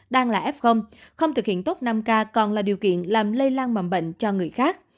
đang là f không thực hiện tốt năm k còn là điều kiện làm lây lan mầm bệnh cho người khác